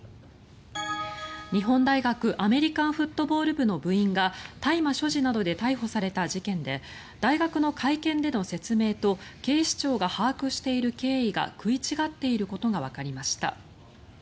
日本大学アメリカンフットボール部の部員が大麻所持などで逮捕された事件で大学の会見での説明と警視庁が把握している経緯が食い違っていることがわかりました。